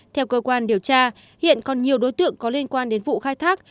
theo cơ quan điều tra hiện còn nhiều đối tượng có liên quan đến vụ khai thác